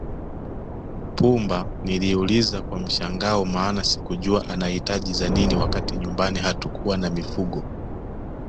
Pumba niliuliza kwa mshangao maana sikujua anahitaji za nini wakati nyumbani hatukuwa na mifugo